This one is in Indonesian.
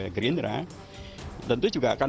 gerindra tentu juga akan